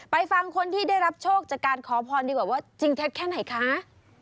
ฟังคนที่ได้รับโชคจากการขอพรดีกว่าว่าจริงเท็จแค่ไหนคะ